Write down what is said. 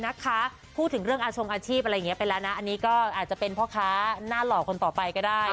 นะคะพูดถึงเรื่องอาชงอาชีพอะไรอย่างนี้ไปแล้วนะอันนี้ก็อาจจะเป็นพ่อค้าหน้าหล่อคนต่อไปก็ได้